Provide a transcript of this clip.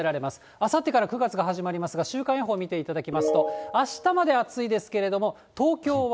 あさってから９月が始まりますが、週間予報見ていただきますと、あしたまで暑いですけれども、東京は。